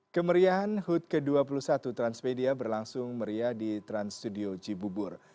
kemeriahan hut ke dua puluh satu transmedia berlangsung meriah di trans studio cibubur